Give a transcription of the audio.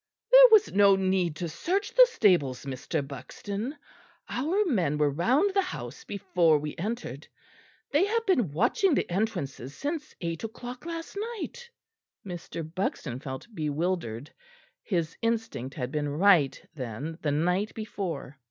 "There was no need to search the stables, Mr. Buxton; our men were round the house before we entered. They have been watching the entrances since eight o'clock last night." Mr. Buxton felt bewildered. His instinct had been right, then, the night before.